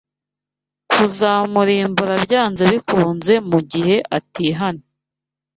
kuzamurimbura byanze bikunze mugihe atihanye